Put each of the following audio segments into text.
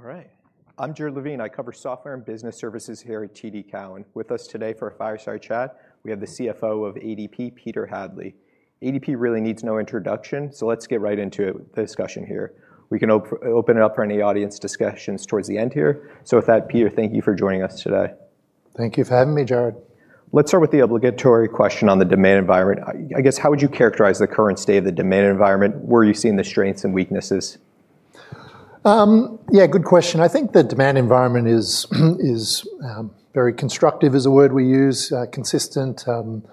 All right. I'm Jared Levine. I cover software and business services here at TD Cowen. With us today for our fireside chat, we have the CFO of ADP, Peter Hadley. ADP really needs no introduction, so let's get right into the discussion here. We can open it up for any audience discussions towards the end here. With that, Peter, thank you for joining us today. Thank you for having me, Jared. Let's start with the obligatory question on the demand environment. I guess, how would you characterize the current state of the demand environment? Where are you seeing the strengths and weaknesses? Good question. I think the demand environment is very constructive, is a word we use. Consistent. Not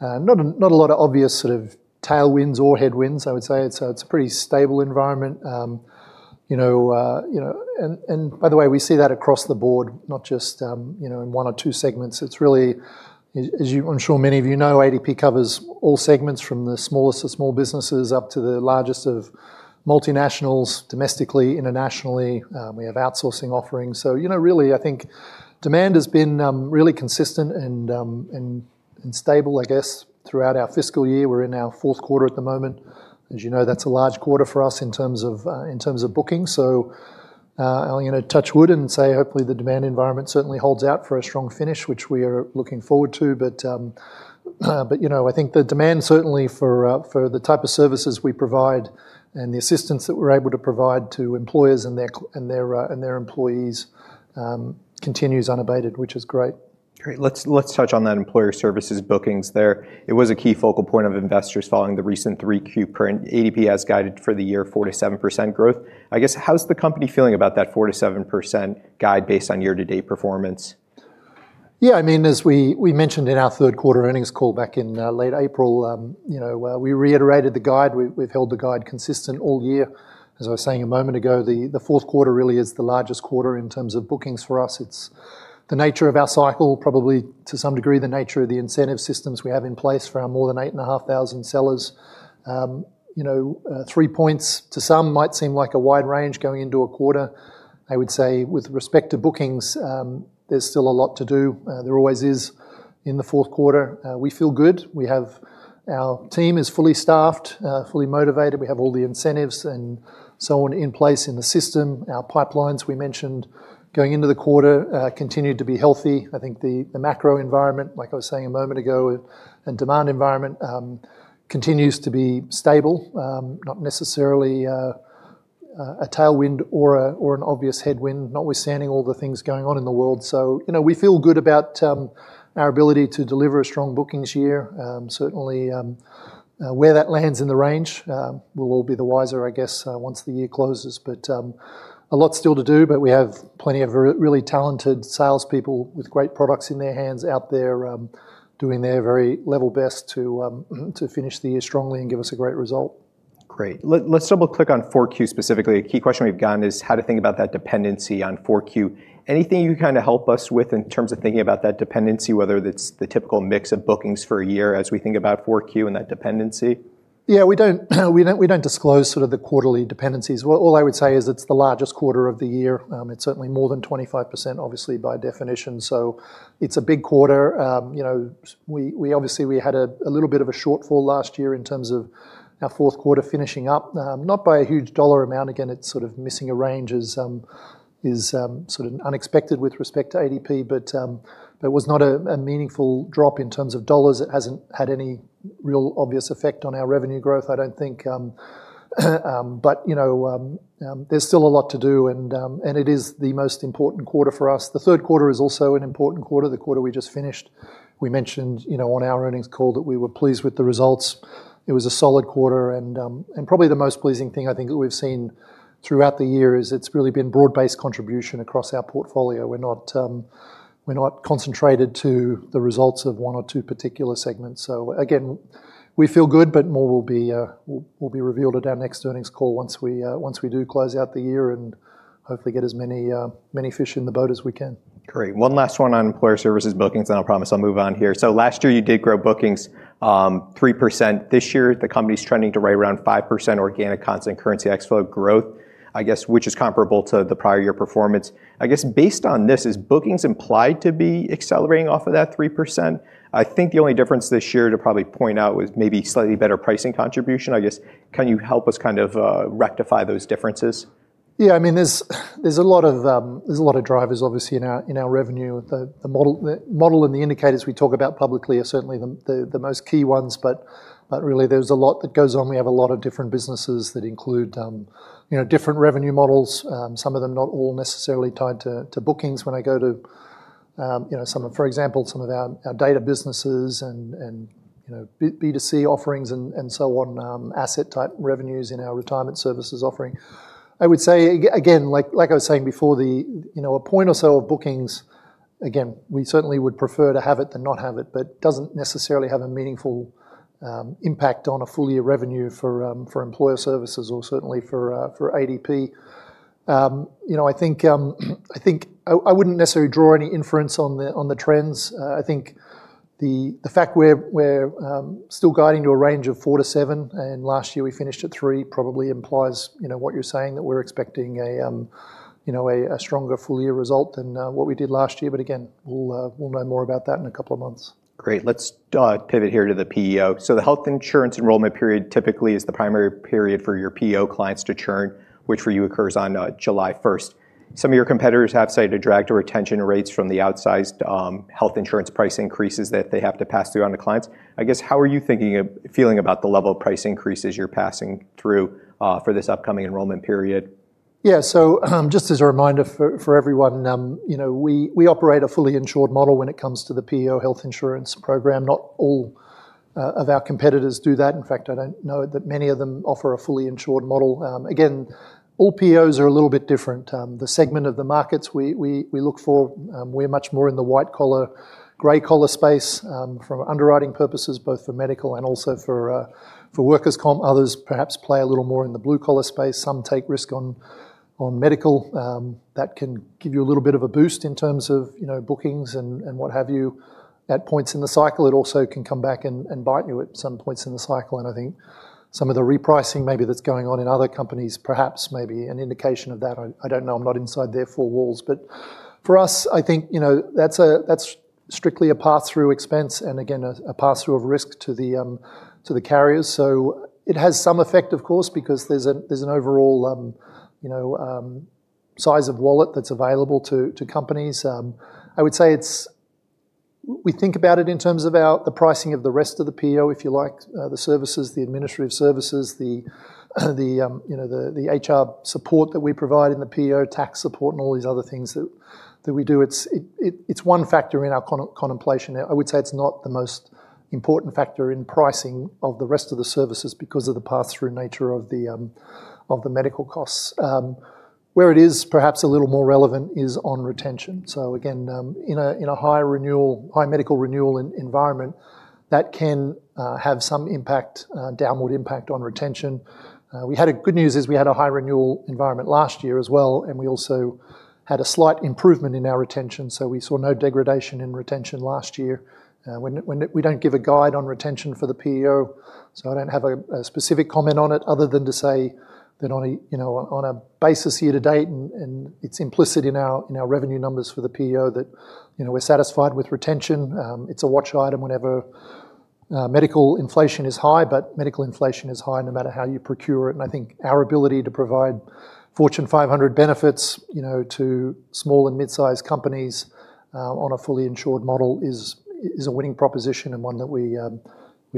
a lot of obvious sort of tailwinds or headwinds, I would say. It's a pretty stable environment. By the way, we see that across the board, not just in one or two segments. It's really, as I'm sure many of you know, ADP covers all segments from the smallest of small businesses up to the largest of multinationals, domestically, internationally. We have outsourcing offerings. Really, I think demand has been really consistent and stable, I guess, throughout our fiscal year. We're in our Q4 at the moment. As you know, that's a large quarter for us in terms of bookings. I'll touch wood and say hopefully the demand environment certainly holds out for a strong finish, which we are looking forward to. I think the demand certainly for the type of services we provide and the assistance that we're able to provide to employers and their employees continues unabated, which is great. Great. Let's touch on that Employer Services bookings there. It was a key focal point of investors following the recent 3Q print. ADP has guided for the year 4%-7% growth. I guess, how's the company feeling about that 4%-7% guide based on year-to-date performance? Yeah. As we mentioned in our Q3 earnings call back in late April, we reiterated the guide. We've held the guide consistent all year. As I was saying a moment ago, the Q4 really is the largest quarter in terms of bookings for us. It's the nature of our cycle, probably to some degree, the nature of the incentive systems we have in place for our more than 8,500 sellers. Three points to some might seem like a wide range going into a quarter. I would say with respect to bookings, there's still a lot to do. There always is in the Q4. We feel good. Our team is fully staffed, fully motivated. We have all the incentives and so on in place in the system. Our pipelines, we mentioned, going into the quarter continued to be healthy. I think the macro environment, like I was saying a moment ago, and demand environment continues to be stable. Not necessarily a tailwind or an obvious headwind, notwithstanding all the things going on in the world. We feel good about our ability to deliver a strong bookings year. Certainly, where that lands in the range, we'll all be the wiser, I guess, once the year closes. A lot still to do, but we have plenty of really talented salespeople with great products in their hands out there doing their very level best to finish the year strongly and give us a great result. Great. Let's double-click on 4Q specifically. A key question we've gotten is how to think about that dependency on 4Q. Anything you can help us with in terms of thinking about that dependency, whether that's the typical mix of bookings for a year as we think about 4Q and that dependency? We don't disclose sort of the quarterly dependencies. All I would say is it's the largest quarter of the year. It's certainly more than 25%, obviously, by definition. It's a big quarter. Obviously, we had a little bit of a shortfall last year in terms of our fourth quarter finishing up. Not by a huge dollar amount. Again, it's sort of missing a range is sort of unexpected with respect to ADP. There was not a meaningful drop in terms of dollars. It hasn't had any real obvious effect on our revenue growth, I don't think. There's still a lot to do, and it is the most important quarter for us. The Q3 is also an important quarter, the quarter we just finished. We mentioned on our earnings call that we were pleased with the results. It was a solid quarter and probably the most pleasing thing I think that we've seen throughout the year is it's really been broad-based contribution across our portfolio. We're not concentrated to the results of one or two particular segments. Again, we feel good, but more will be revealed at our next earnings call once we do close out the year and hopefully get as many fish in the boat as we can. Great. One last one on Employer Services bookings, then I promise I'll move on here. Last year you did grow bookings 3%. This year, the company's trending to right around 5% organic constant currency growth, I guess, which is comparable to the prior year performance. I guess based on this, is bookings implied to be accelerating off of that 3%? I think the only difference this year to probably point out was maybe slightly better pricing contribution. I guess, can you help us kind of rectify those differences? There's a lot of drivers, obviously, in our revenue. The model and the indicators we talk about publicly are certainly the most key ones, but really there's a lot that goes on. We have a lot of different businesses that include different revenue models. Some of them not all necessarily tied to bookings when I go to, for example, some of our data businesses and B2C offerings and so on, asset-type revenues in our retirement services offering. I would say, again, like I was saying before, a point or so of bookings, again, we certainly would prefer to have it than not have it, but it doesn't necessarily have a meaningful impact on a full year revenue for Employer Services or certainly for ADP. I wouldn't necessarily draw any inference on the trends. I think the fact we're still guiding to a range of 4%-7%, and last year we finished at 3%, probably implies what you're saying, that we're expecting a stronger full-year result than what we did last year. Again, we'll know more about that in a couple of months. Great. Let's pivot here to the PEO. The health insurance enrollment period typically is the primary period for your PEO clients to churn, which for you occurs on July 1st. Some of your competitors have cited a drag to retention rates from the outsized health insurance price increases that they have to pass through onto clients. I guess, how are you feeling about the level of price increases you're passing through for this upcoming enrollment period? Yeah. Just as a reminder for everyone, we operate a fully insured model when it comes to the PEO health insurance program. Not all of our competitors do that. In fact, I don't know that many of them offer a fully insured model. Again, all PEOs are a little bit different. The segment of the markets we look for, we're much more in the white-collar, gray-collar space, from underwriting purposes, both for medical and also for workers' comp. Others perhaps play a little more in the blue-collar space. Some take risk on medical. That can give you a little bit of a boost in terms of bookings and what have you at points in the cycle. It also can come back and bite you at some points in the cycle. I think some of the repricing maybe that's going on in other companies perhaps may be an indication of that. I don't know. I'm not inside their four walls. For us, I think that's strictly a pass-through expense, and again, a pass-through of risk to the carriers. It has some effect, of course, because there's an overall size of wallet that's available to companies. I would say we think about it in terms of the pricing of the rest of the PEO, if you like, the services, the administrative services, the HR support that we provide in the PEO, tax support, and all these other things that we do. It's one factor in our contemplation. I would say it's not the most important factor in pricing of the rest of the services because of the pass-through nature of the medical costs. Where it is perhaps a little more relevant is on retention. Again, in a high medical renewal environment, that can have some downward impact on retention. Good news is we had a high renewal environment last year as well, and we also had a slight improvement in our retention. We saw no degradation in retention last year. We don't give a guide on retention for the PEO. I don't have a specific comment on it other than to say that on a basis year to date, and it's implicit in our revenue numbers for the PEO that we're satisfied with retention. It's a watch item whenever medical inflation is high. Medical inflation is high no matter how you procure it. I think our ability to provide Fortune 500 benefits to small and midsize companies on a fully insured model is a winning proposition and one that we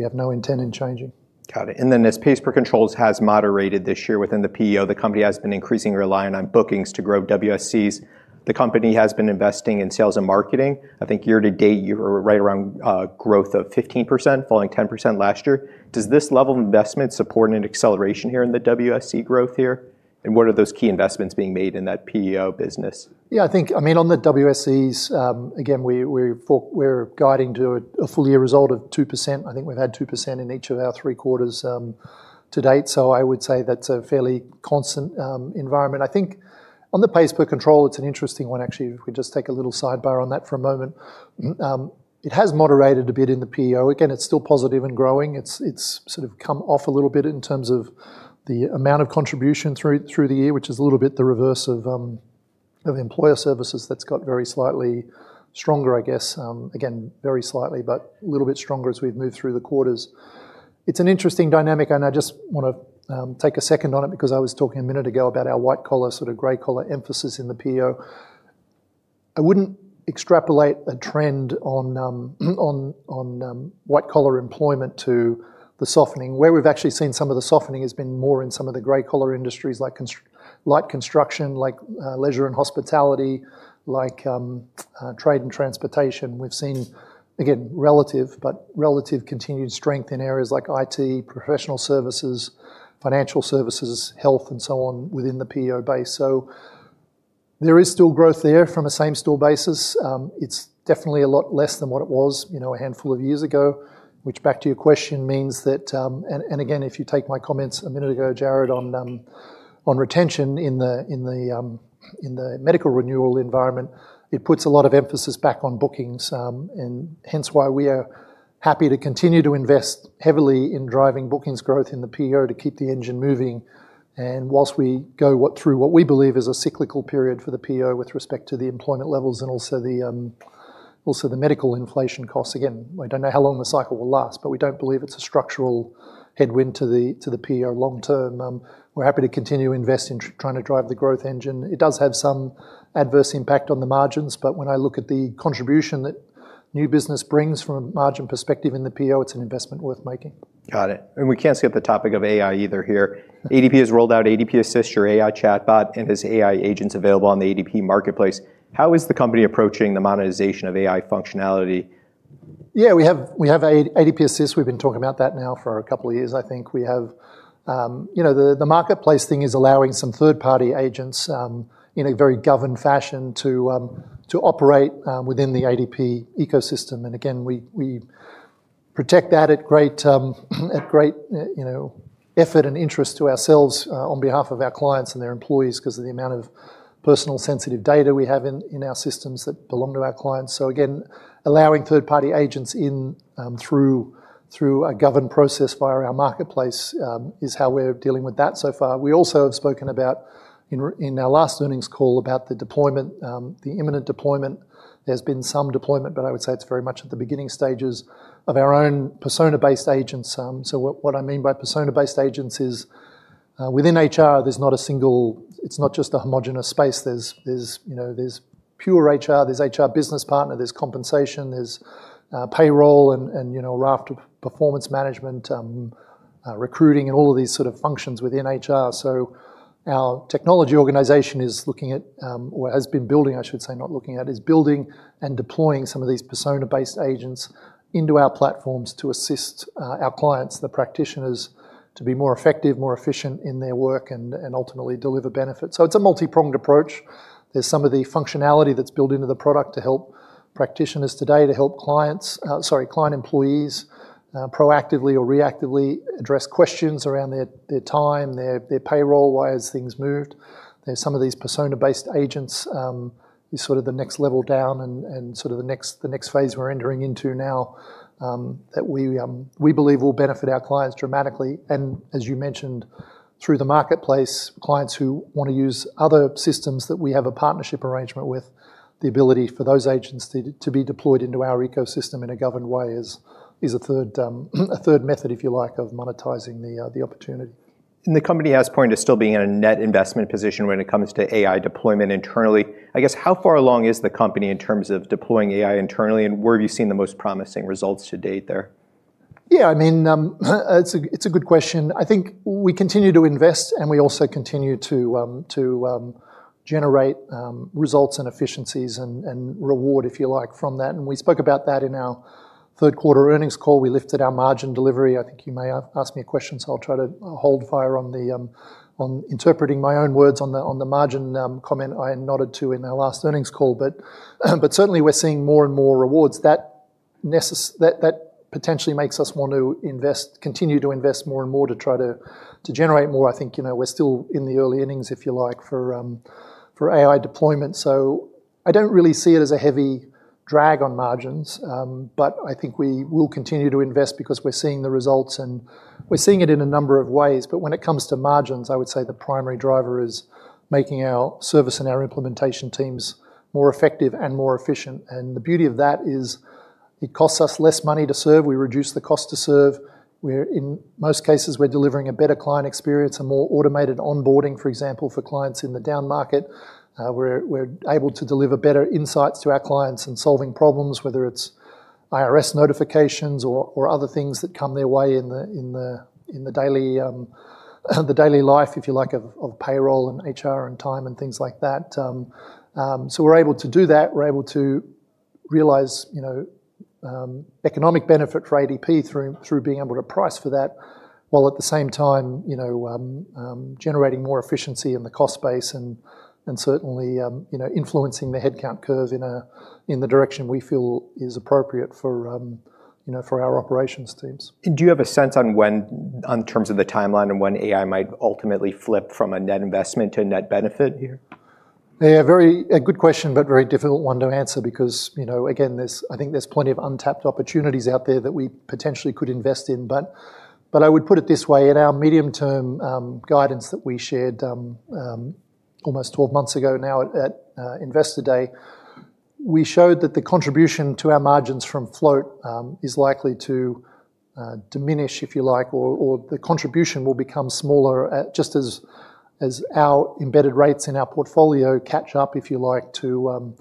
have no intent in changing. Got it. As pays per control has moderated this year within the PEO, the company has been increasingly reliant on bookings to grow WSEs. The company has been investing in sales and marketing. I think year to date, you were right around growth of 15%, falling 10% last year. Does this level of investment support an acceleration here in the WSC growth here? What are those key investments being made in that PEO business? I think, on the WSEs, we're guiding to a full year result of 2%. I think we've had 2% in each of our three quarters to date. I would say that's a fairly constant environment. I think on the pays per control, it's an interesting one, actually, if we just take a little sidebar on that for a moment. It has moderated a bit in the PEO. It's still positive and growing. It's sort of come off a little bit in terms of the amount of contribution through the year, which is a little bit the reverse of Employer Services that's got very slightly stronger, I guess. Very slightly, a little bit stronger as we've moved through the quarters. It's an interesting dynamic, and I just want to take a second on it because I was talking a minute ago about our white-collar, sort of gray-collar emphasis in the PEO. I wouldn't extrapolate a trend on white-collar employment to the softening. Where we've actually seen some of the softening has been more in some of the gray-collar industries like construction, like leisure and hospitality, like trade and transportation. We've seen, again, relative continued strength in areas like IT, professional services, financial services, health, and so on within the PEO base. There is still growth there from a same-store basis. It's definitely a lot less than what it was a handful of years ago, which back to your question means that, and again, if you take my comments a minute ago, Jared, on retention in the medical renewal environment, it puts a lot of emphasis back on bookings, and hence why we are happy to continue to invest heavily in driving bookings growth in the PEO to keep the engine moving. Whilst we go through what we believe is a cyclical period for the PEO with respect to the employment levels and also the medical inflation costs, again, we don't know how long the cycle will last. We don't believe it's a structural headwind to the PEO long term. We're happy to continue to invest in trying to drive the growth engine. It does have some adverse impact on the margins, but when I look at the contribution that new business brings from a margin perspective in the PEO, it's an investment worth making. Got it. We can't skip the topic of AI either here. ADP has rolled out ADP Assist, your AI chatbot, and there's AI agents available on the ADP Marketplace. How is the company approaching the monetization of AI functionality? Yeah. We have ADP Assist. We've been talking about that now for a couple of years, I think. The Marketplace thing is allowing some third-party agents, in a very governed fashion, to operate within the ADP ecosystem. Again, we protect that at great effort and interest to ourselves on behalf of our clients and their employees because of the amount of personal sensitive data we have in our systems that belong to our clients. Again, allowing third-party agents in through a governed process via our Marketplace is how we're dealing with that so far. We also have spoken about, in our last earnings call, about the imminent deployment. There's been some deployment, but I would say it's very much at the beginning stages of our own persona-based agents. What I mean by persona-based agents is, within HR, it's not just a homogenous space. Pure HR, there's HR business partner, there's compensation, there's payroll and a raft of performance management, recruiting, and all of these sort of functions within HR. Our technology organization is looking at, or has been building, I should say, not looking at, is building and deploying some of these persona-based agents into our platforms to assist our clients, the practitioners, to be more effective, more efficient in their work, and ultimately deliver benefits. It's a multi-pronged approach. There's some of the functionality that's built into the product to help practitioners today to help client employees proactively or reactively address questions around their time, their payroll, why has things moved. There's some of these persona-based agents, is sort of the next level down and sort of the next phase we're entering into now, that we believe will benefit our clients dramatically. As you mentioned, through the ADP Marketplace, clients who want to use other systems that we have a partnership arrangement with, the ability for those agents to be deployed into our ecosystem in a governed way is a third method, if you like, of monetizing the opportunity. The company has pointed to still being in a net investment position when it comes to AI deployment internally. I guess, how far along is the company in terms of deploying AI internally, and where have you seen the most promising results to date there? Yeah. It's a good question. I think we continue to invest, and we also continue to generate results and efficiencies and reward, if you like, from that. We spoke about that in our third-quarter earnings call. We lifted our margin delivery. I think you may have asked me a question, so I'll try to hold fire on interpreting my own words on the margin comment I nodded to in our last earnings call. Certainly, we're seeing more and more rewards. That potentially makes us want to continue to invest more and more to try to generate more. I think, we're still in the early innings, if you like, for AI deployment. I don't really see it as a heavy drag on margins. I think we will continue to invest because we're seeing the results and we're seeing it in a number of ways. When it comes to margins, I would say the primary driver is making our service and our implementation teams more effective and more efficient. The beauty of that is it costs us less money to serve. We reduce the cost to serve. In most cases, we're delivering a better client experience, a more automated onboarding, for example, for clients in the down market. We're able to deliver better insights to our clients in solving problems, whether it's IRS notifications or other things that come their way in the daily life, if you like, of payroll and HR and time and things like that. We're able to do that. We're able to realize economic benefit for ADP through being able to price for that, while at the same time generating more efficiency in the cost base and certainly influencing the headcount curve in the direction we feel is appropriate for our operations teams. Do you have a sense on terms of the timeline and when AI might ultimately flip from a net investment to a net benefit here? Yeah. A good question, a very difficult one to answer because, again, I think there's plenty of untapped opportunities out there that we potentially could invest in. I would put it this way. In our medium-term guidance that we shared almost 12 months ago now at Investor Day, we showed that the contribution to our margins from float is likely to diminish, if you like, or the contribution will become smaller just as our embedded rates in our portfolio catch up, if you like, to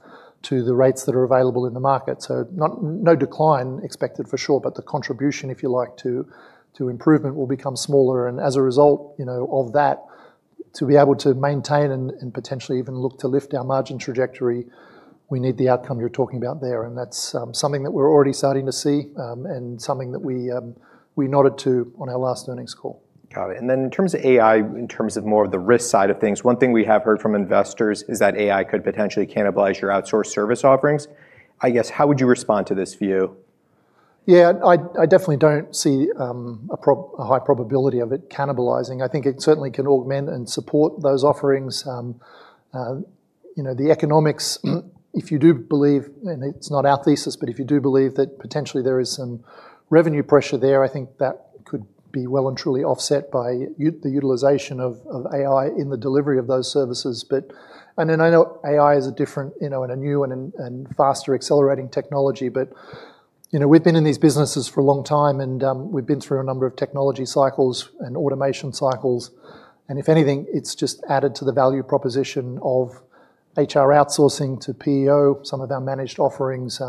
the rates that are available in the market. No decline expected for sure, but the contribution, if you like, to improvement will become smaller. As a result of that, to be able to maintain and potentially even look to lift our margin trajectory, we need the outcome you're talking about there. That's something that we're already starting to see, and something that we nodded to on our last earnings call. Got it. In terms of AI, in terms of more of the risk side of things, one thing we have heard from investors is that AI could potentially cannibalize your outsourced service offerings. I guess, how would you respond to this view? Yeah. I definitely don't see a high probability of it cannibalizing. I think it certainly can augment and support those offerings. The economics, if you do believe, and it's not our thesis, but if you do believe that potentially there is some revenue pressure there, I think that could be well and truly offset by the utilization of AI in the delivery of those services. I know AI is a different and a new and faster accelerating technology, but we've been in these businesses for a long time, and we've been through a number of technology cycles and automation cycles. If anything, it's just added to the value proposition of HR outsourcing to PEO, some of our managed offerings.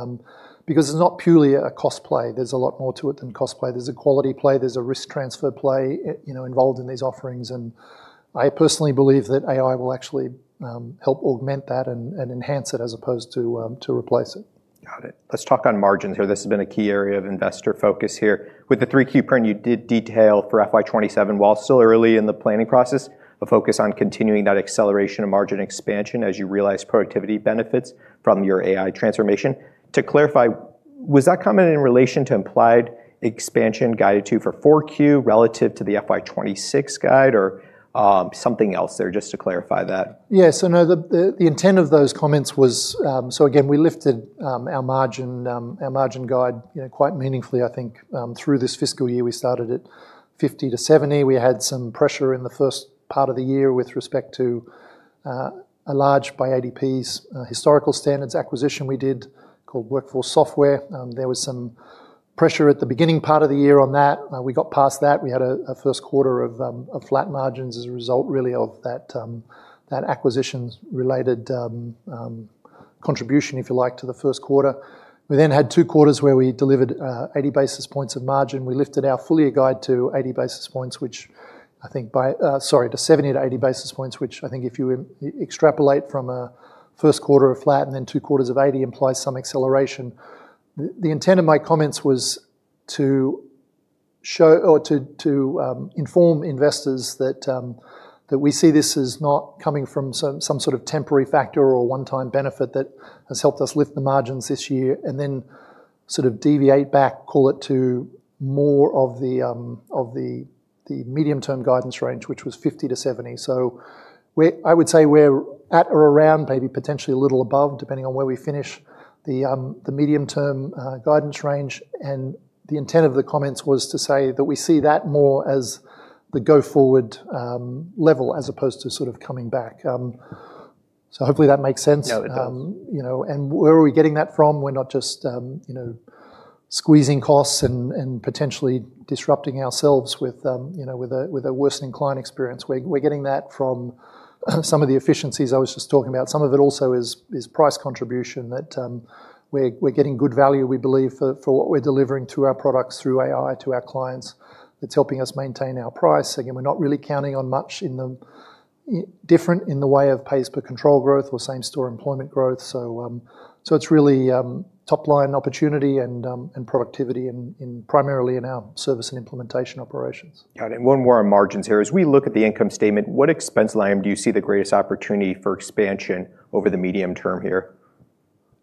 It's not purely a cost play. There's a lot more to it than cost play. There's a quality play, there's a risk transfer play involved in these offerings, and I personally believe that AI will actually help augment that and enhance it as opposed to replace it. Got it. Let's talk on margins here. This has been a key area of investor focus here. With the 3Q print you did detail for FY 2027, while still early in the planning process, a focus on continuing that acceleration and margin expansion as you realize productivity benefits from your AI transformation. To clarify, was that comment in relation to implied expansion guided to for 4Q relative to the FY 2026 guide or something else there? Just to clarify that. No, the intent of those comments was, again, we lifted our margin guide quite meaningfully, I think, through this fiscal year. We started at 50-70. We had some pressure in the first part of the year with respect to a large, by ADP's historical standards, acquisition we did called WorkForce Software. There was some pressure at the beginning part of the year on that. We got past that. We had a Q1 of flat margins as a result really of that acquisitions-related contribution, if you like, to the Q1. We had two quarters where we delivered 80 basis points of margin. We lifted our full-year guide to 70 to 80 basis points, which I think if you extrapolate from a Q1 of flat and then two quarters of 80 implies some acceleration. The intent of my comments was to show or to inform investors that we see this as not coming from some sort of temporary factor or a one-time benefit that has helped us lift the margins this year and then sort of deviate back, call it to more of the medium-term guidance range, which was 50-70. I would say we're at or around, maybe potentially a little above, depending on where we finish the medium-term guidance range. The intent of the comments was to say that we see that more as the go-forward level as opposed to sort of coming back. Hopefully that makes sense. No, it does. Where are we getting that from? We're not just squeezing costs and potentially disrupting ourselves with a worsening client experience. We're getting that from some of the efficiencies I was just talking about. Some of it also is price contribution that we're getting good value, we believe, for what we're delivering to our products through AI, to our clients. That's helping us maintain our price. Again, we're not really counting on much different in the way of pays per control growth or same-store employment growth. It's really top-line opportunity and productivity in primarily in our service and implementation operations. Got it. One more on margins here. As we look at the income statement, what expense line do you see the greatest opportunity for expansion over the medium term here?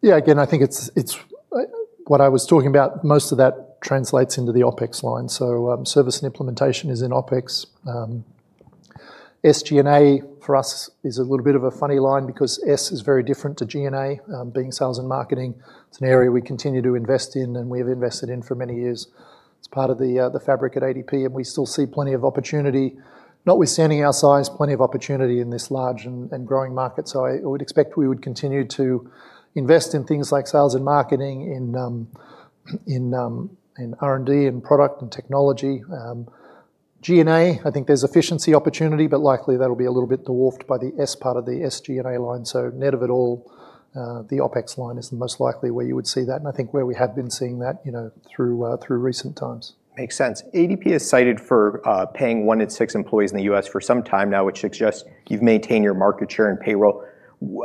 Yeah, again, I think it's what I was talking about. Most of that translates into the OpEx line. Service and implementation is in OpEx. SG&A for us is a little bit of a funny line because S is very different to G&A, being sales and marketing. It's an area we continue to invest in and we have invested in for many years. It's part of the fabric at ADP, and we still see plenty of opportunity, notwithstanding our size, plenty of opportunity in this large and growing market. I would expect we would continue to invest in things like sales and marketing, in R&D and product and technology. G&A, I think there's efficiency opportunity, likely that'll be a little bit dwarfed by the S part of the SG&A line. Net of it all, the OpEx line is the most likely where you would see that, and I think where we have been seeing that through recent times. Makes sense. ADP is cited for paying one in six employees in the U.S. for some time now, which suggests you've maintained your market share and payroll.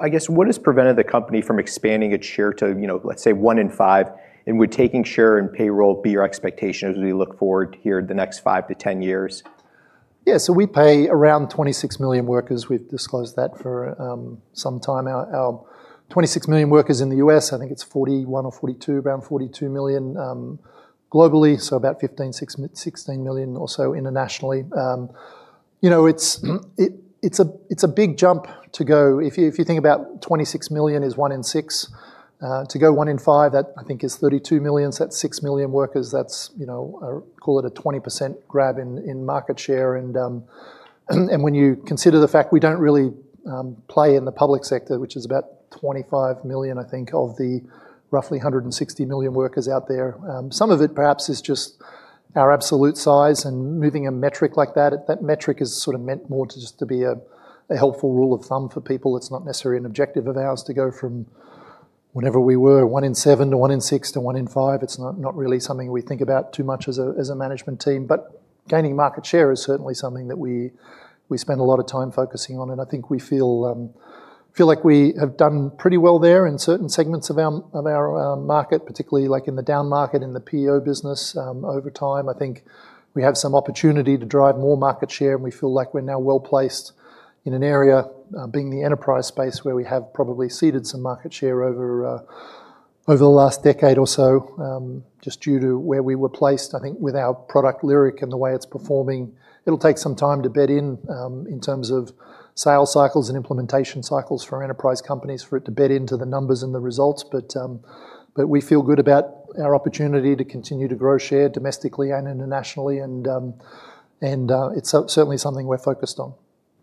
I guess, what has prevented the company from expanding its share to, let's say, one in five? Would taking share and payroll be your expectation as we look forward here the next 5-10 years? We pay around 26 million workers. We've disclosed that for some time. Our 26 million workers in the U.S., I think it's 41 or 42, around 42 million globally, about 15, 16 million or so internationally. It's a big jump to go. If you think about 26 million is one in six, to go one in five, that I think is 32 million. That's six million workers. That's, call it a 20% grab in market share. When you consider the fact we don't really play in the public sector, which is about 25 million, I think, of the roughly 160 million workers out there. Some of it perhaps is just our absolute size and moving a metric like that. That metric is sort of meant more to just to be a helpful rule of thumb for people. It's not necessarily an objective of ours to go from whatever we were, one in seven to one in six to one in five. It's not really something we think about too much as a management team. Gaining market share is certainly something that we spend a lot of time focusing on, and I think we feel like we have done pretty well there in certain segments of our market, particularly like in the down market, in the PEO business. Over time, I think we have some opportunity to drive more market share, and we feel like we're now well-placed in an area, being the enterprise space, where we have probably ceded some market share over the last decade or so, just due to where we were placed. I think with our product Lyric and the way it's performing, it'll take some time to bed in terms of sales cycles and implementation cycles for enterprise companies for it to bed into the numbers and the results. We feel good about our opportunity to continue to grow share domestically and internationally, and it's certainly something we're focused on.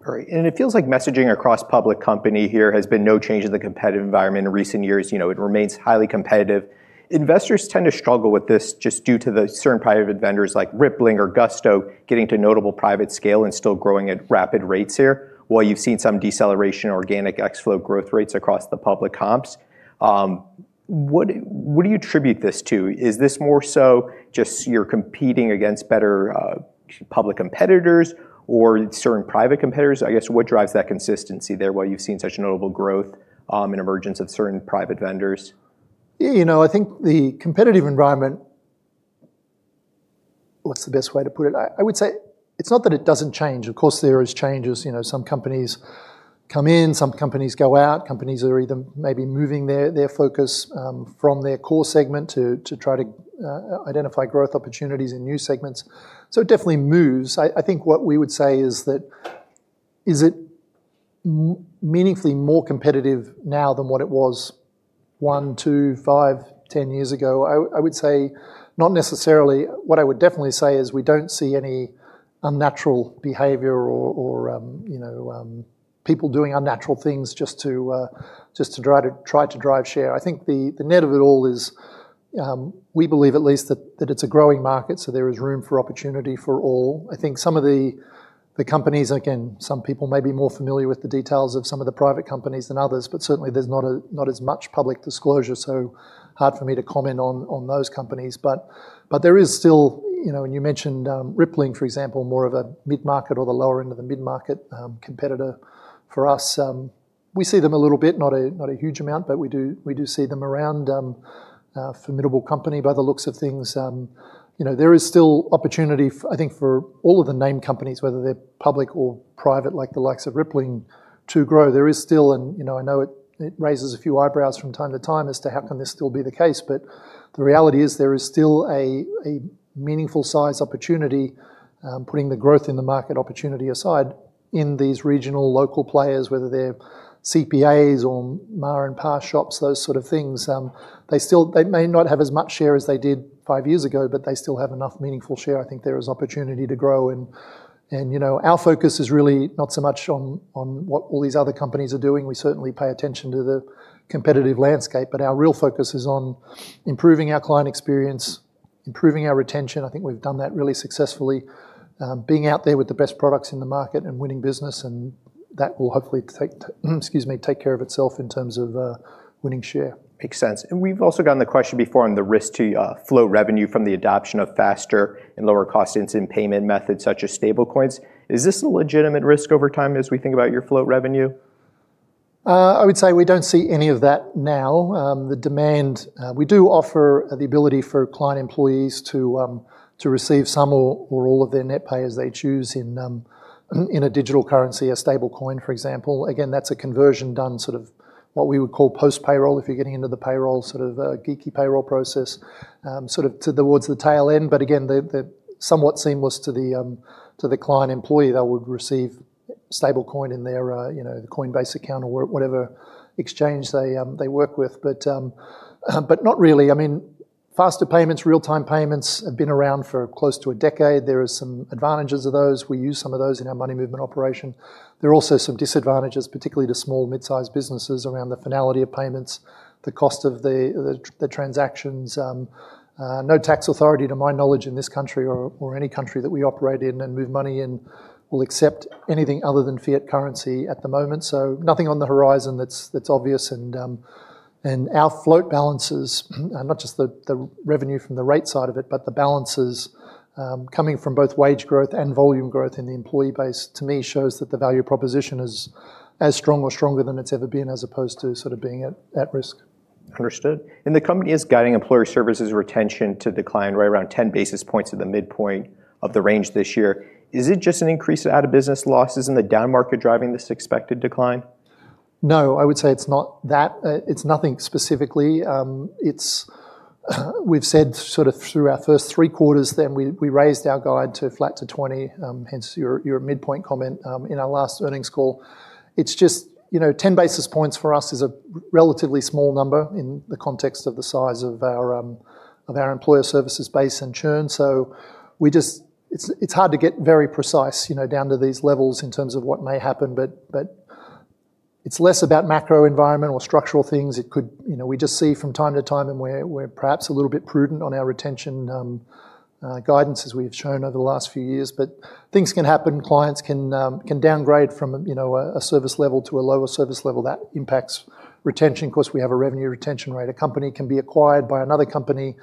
Great. It feels like messaging across public company here has been no change in the competitive environment in recent years. It remains highly competitive. Investors tend to struggle with this just due to the certain private vendors like Rippling or Gusto getting to notable private scale and still growing at rapid rates here, while you've seen some deceleration organic constant currency growth rates across the public comps. What do you attribute this to? Is this more so just you're competing against better public competitors or certain private competitors? I guess, what drives that consistency there while you've seen such notable growth and emergence of certain private vendors? I think the competitive environment, what's the best way to put it? I would say it's not that it doesn't change. Of course, there is changes. Some companies come in, some companies go out. Companies are either maybe moving their focus from their core segment to try to identify growth opportunities in new segments. It definitely moves. I think what we would say is that, is it meaningfully more competitive now than what it was one, two, five, 10 years ago? I would say not necessarily. What I would definitely say is we don't see any unnatural behavior or people doing unnatural things just to try to drive share. I think the net of it all is, we believe at least that it's a growing market, so there is room for opportunity for all. I think some of the companies, again, some people may be more familiar with the details of some of the private companies than others, but certainly there's not as much public disclosure, so hard for me to comment on those companies. There is still, and you mentioned Rippling, for example, more of a mid-market or the lower end of the mid-market competitor for us. We see them a little bit, not a huge amount, but we do see them around. A formidable company by the looks of things. There is still opportunity, I think, for all of the name companies, whether they're public or private, like the likes of Rippling, to grow. There is still, and I know it raises a few eyebrows from time to time as to how can this still be the case, but the reality is there is still a meaningful size opportunity, putting the growth in the market opportunity aside, in these regional local players, whether they're CPAs or ma and pa shops, those sort of things. They may not have as much share as they did five years ago, but they still have enough meaningful share. I think there is opportunity to grow. Our focus is really not so much on what all these other companies are doing. We certainly pay attention to the competitive landscape, but our real focus is on improving our client experience, improving our retention. I think we've done that really successfully. Being out there with the best products in the market and winning business, that will hopefully take care of itself in terms of winning share. Makes sense. We've also gotten the question before on the risk to float revenue from the adoption of faster and lower cost instant payment methods such as stablecoins. Is this a legitimate risk over time as we think about your float revenue? I would say we don't see any of that now. We do offer the ability for client employees to receive some or all of their net pay as they choose in a digital currency, a stablecoin, for example. That's a conversion done sort of what we would call post-payroll, if you're getting into the payroll, sort of a geeky payroll process, sort of towards the tail end. They're somewhat seamless to the client employee that would receive stablecoin in their Coinbase account or whatever exchange they work with. Not really. Faster payments, real-time payments have been around for close to a decade. There are some advantages of those. We use some of those in our money movement operation. There are also some disadvantages, particularly to small midsize businesses around the finality of payments, the cost of the transactions. No tax authority, to my knowledge, in this country or any country that we operate in and move money in will accept anything other than fiat currency at the moment. Nothing on the horizon that's obvious. Our float balances, not just the revenue from the rate side of it, but the balances coming from both wage growth and volume growth in the employee base, to me shows that the value proposition is as strong or stronger than it's ever been as opposed to sort of being at risk. Understood. The company is guiding Employer Services retention to decline right around 10 basis points at the midpoint of the range this year. Is it just an increase in out-of-business losses and the down market driving this expected decline? No, I would say it's not that. It's nothing specifically. We've said sort of through our first three quarters, then we raised our guide to flat to 20, hence your midpoint comment in our last earnings call. It's just 10 basis points for us is a relatively small number in the context of the size of our Employer Services base and churn. It's hard to get very precise down to these levels in terms of what may happen, but it's less about macro environment or structural things. We just see from time to time and we're perhaps a little bit prudent on our retention guidance as we have shown over the last few years. Things can happen. Clients can downgrade from a service level to a lower service level that impacts retention. Of course, we have a revenue retention rate. A company can be acquired by another company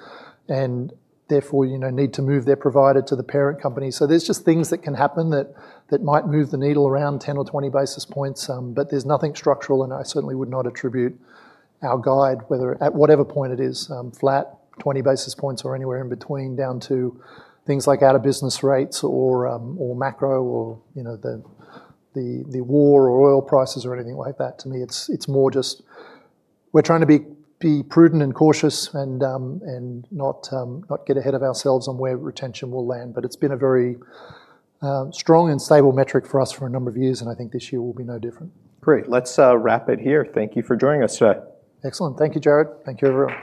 and therefore need to move their provider to the parent company. There's just things that can happen that might move the needle around 10 or 20 basis points. There's nothing structural, and I certainly would not attribute our guide, at whatever point it is, flat, 20 basis points or anywhere in between, down to things like out-of-business rates or macro or the war or oil prices or anything like that. To me, it's more just we're trying to be prudent and cautious and not get ahead of ourselves on where retention will land. It's been a very strong and stable metric for us for a number of years, and I think this year will be no different. Great. Let's wrap it here. Thank you for joining us today. Excellent. Thank you, Jared. Thank you, everyone.